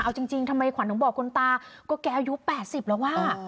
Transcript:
เอาจริงทำไมขวัญถึงบอกคุณตาก็แกอายุ๘๐แล้วว่า